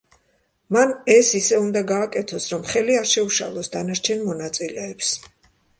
მან ეს ისე უნდა გააკეთოს, რომ ხელი არ შეუშალოს დანარჩენ მონაწილეებს.